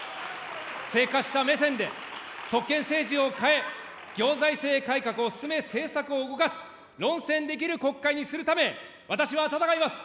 生活者目線で、特権政治を変え、行財政改革を進め、政策を動かし、論戦できる国会にするため、私は戦います。